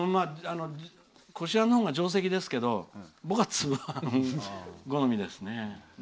こしあんのほうが定石ですけど僕は粒あんが好みですね。